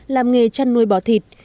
làm nghề chăn nuôi bò thịt